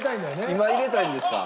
今入れたいんですか？